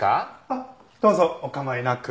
あっどうぞお構いなく。